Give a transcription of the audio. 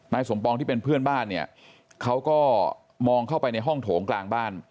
สมปองที่เป็นเพื่อนบ้านเนี่ยเขาก็มองเข้าไปในห้องโถงกลางบ้าน